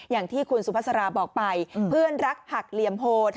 อย่างที่คุณสุภาษาราบอกไปเพื่อนรักหักเหลี่ยมโหด